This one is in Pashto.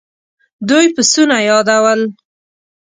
دوی پسونه يادول.